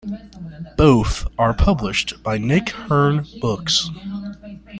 Both are published by Nick Hern Books.